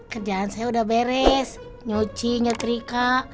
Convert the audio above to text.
kerjaan saya udah beres nyuci nyetrika